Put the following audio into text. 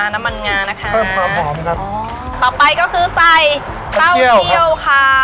น้ำมันงานะคะเพิ่มความหอมครับอ๋อต่อไปก็คือใส่เต้าเที่ยวค่ะ